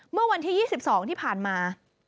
เมื่อวันที่๒๒ที่ผ่านมา